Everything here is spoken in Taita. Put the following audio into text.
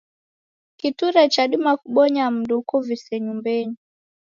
Kiture chadima kubonya mndu ukuvise nyumbenyi.